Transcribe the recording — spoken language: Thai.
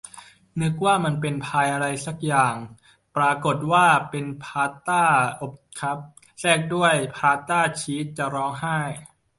นึกว่ามันเป็นพายอะไรซักอย่าง ปรากฏว่าเป็นพาสต้าอบครับ แทรกด้วยเฟตต้าชีส จะร้องไห้